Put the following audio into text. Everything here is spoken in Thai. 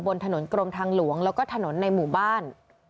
บนถนนกรมทางหลวงแล้วก็ถนนในหมู่บ้าน